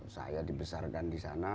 saya dibesarkan di sana